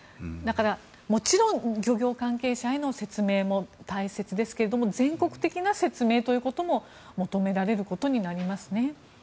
だから、もちろん漁業関係者への説明も大切ですけれども全国的な説明ということも求められることになりますね。